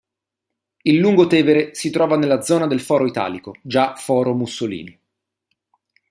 Il lungotevere si trova nella zona del foro Italico, già "foro Mussolini".